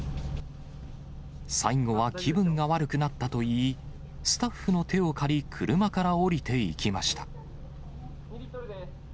最後は気分が悪くなったと言い、スタッフの手を借り、車から降りていきました。